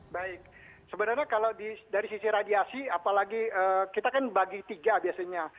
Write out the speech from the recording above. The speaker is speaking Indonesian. baik sebenarnya kalau dari sisi radiasi apalagi kita kan bagi tiga biasanya